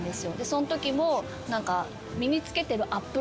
そんときも。